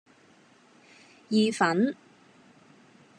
意粉